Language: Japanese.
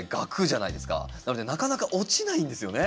なのでなかなか落ちないんですよね。